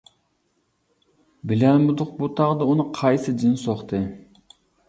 بىلەلمىدۇق بۇ تاغدا، ئۇنى قايسى جىن سوقتى.